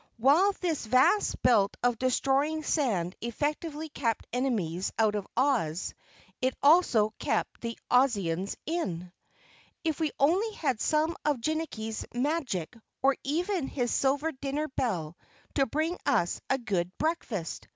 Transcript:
While this vast belt of destroying sand effectively kept enemies out of Oz, it also kept the Ozians in. "If we only had some of Jinnicky's magic or even his silver dinner bell to bring us a good breakfast!"